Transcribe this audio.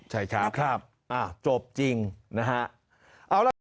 ใช่ครับครับจบจริงนะครับ